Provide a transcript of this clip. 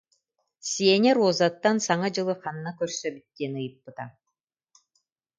Сеня Розаттан Саҥа дьылы ханна көрсөбүт диэн ыйыппыта